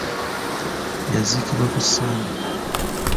Yaziikibwa ku Sande.